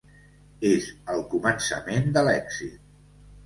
És el començament de l'èxit.